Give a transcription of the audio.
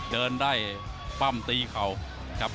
เดินได้ปั้มตีเข่าครับ